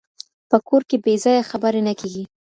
په کور کې بې ځایه خبرې نه کېږي.